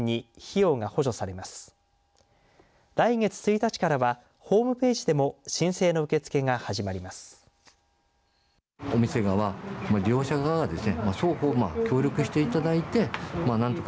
来月１日からはホームページでも申請の受け付けが始まります。